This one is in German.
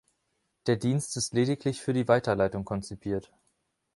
Der Dienst ist lediglich für die Weiterleitung konzipiert.